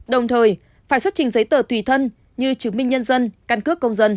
đồng thời phải xuất trình giấy tờ tùy thân như chứng minh